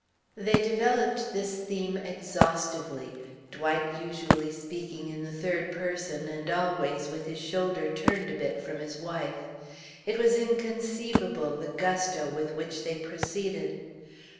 They developed this theme exhaustively, Dwight usually speaking in the third person and always with his shoulder turned a bit from his wife. It was inconceivable, the gusto with which they proceeded.